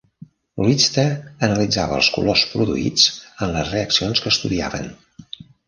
Richter analitzava els colors produïts en les reaccions que estudiaven.